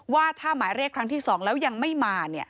ว่าถ้าหมายเรียกครั้งที่๒แล้วยังไม่มา